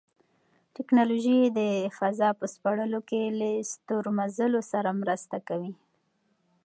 تکنالوژي د فضا په سپړلو کې له ستورمزلو سره مرسته کوي.